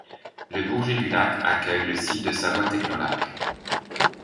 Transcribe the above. Le Bourget-du-Lac accueille le site de Savoie Technolac.